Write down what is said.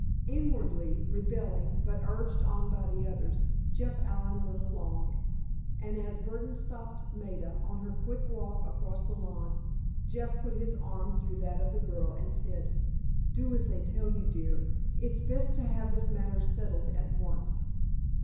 Inwardly rebelling, but urged on by the others, Jeff Allen went along, and as Burdon stopped Maida, on her quick walk across the lawn, Jeff put his arm through that of the girl, and said: "Do as they tell you, dear. It's best to have this matter settled at once."